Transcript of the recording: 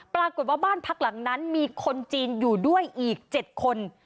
ปรากฏว่าบ้านพักหลังนั้นมีคนจีนอยู่ด้วยอีก๗คน